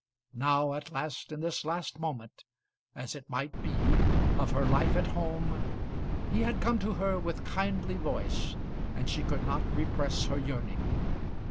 Now at last, in this last moment, as it might be, of her life at home, he had come to her with kindly voice, and she could not repress her yearning.